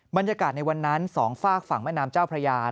บรรยากาศในวันนั้น๒ฝากฝั่งแม่น้ำเจ้าพระยา